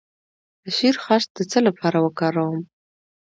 د شیرخشت د څه لپاره وکاروم؟